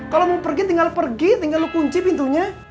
kalau mau pergi tinggal pergi tinggal lu kunci pintunya